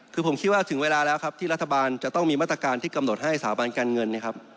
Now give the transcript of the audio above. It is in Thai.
คือผมคิดว่าถึงเวลาแล้วครับที่รัฐบาลจะต้องมีมาตรการที่กำหนดให้สถาบันการเงินเนี่ยครับ